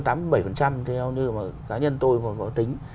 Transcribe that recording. theo như là cá nhân tôi có tính